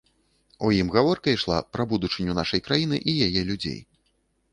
У ім гаворка ішла пра будучыню нашай краіны і яе людзей.